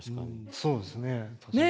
そうですね。